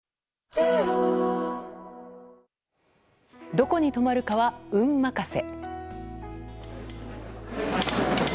どこに泊まるかは運任せ。